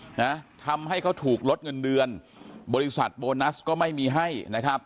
นะทำให้เขาถูกลดเงินเดือนบริษัทโบนัสก็ไม่มีให้นะครับ